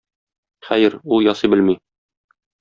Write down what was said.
Хәер, ул ясый белми.